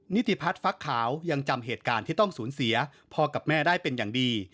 นิติพัฒน์ฟักขาวยังจำเหตุการณ์ที่ต้องสูญเสียพ่อกับแม่ได้เป็นอย่างดี